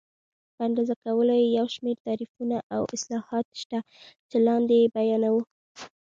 په اندازه کولو کې یو شمېر تعریفونه او اصلاحات شته چې لاندې یې بیانوو.